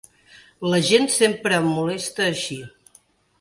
La gent sempre em molesta així.